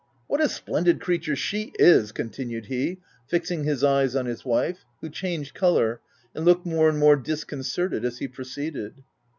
" What a splendid creature she is /? continued he, fixing his eyes on his wife, who changed colour, and looked more and more disconcerted as he proceeded.